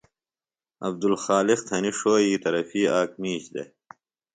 عبدلخالق تھنیۡ ݜوئی طرفی آک مِیش دےۡ